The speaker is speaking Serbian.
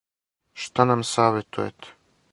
Шта нам саветујете?